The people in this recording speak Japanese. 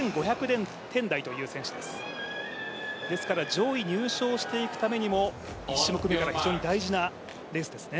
上位入賞していくためにも非常に大事なレースですね。